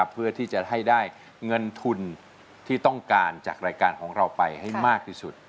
เพื่อที่จะให้ได้เงินทุนที่ต้องการจากรายการของเราไปให้มากที่สุด